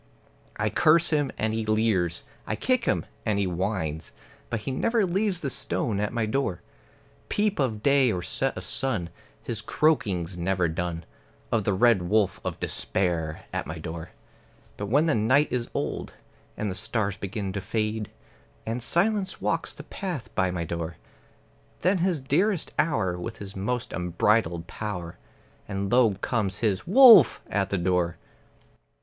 I curse him, and he leers; I kick him, and he whines; But he never leaves the stone at my door. Peep of day or set of sun, his croaking's never done Of the Red Wolf of Despair at my door. But when the night is old, and the stars begin to fade, And silence walks the path by my door, Then is his dearest hour, his most unbridled power, And low comes his "Wolf!" at the door.